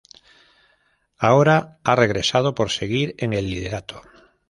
Ahora ha regresado por seguir en el liderato.